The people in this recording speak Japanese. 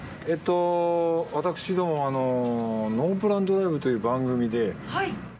えっと私ども「ノープラン×ドライブ」という番組で。